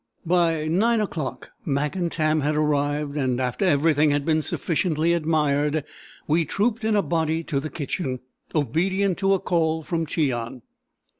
By nine o'clock Mac and Tam had arrived, and after everything had been sufficiently admired, we trooped in a body to the kitchen, obedient to a call from Cheon.